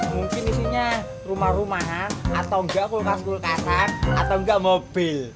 mungkin isinya rumah rumah atau nggak kulkas kulkasan atau enggak mobil